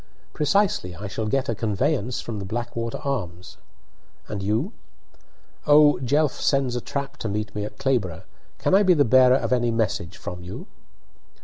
"Precisely. I shall get a conveyance from the 'Blackwater Arms.' And you?" 'Oh, Jelf sends a trap to meet me at Clayborbough! Can I be the bearer of any message from you?"